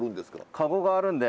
籠があるんで。